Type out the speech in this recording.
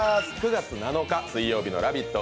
９月７日水曜日の「ラヴィット！」